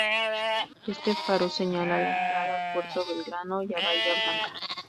Este faro señala la entrada al puerto Belgrano y a Bahía Blanca.